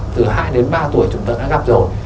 từ hai ba tuổi chúng ta đã gặp rồi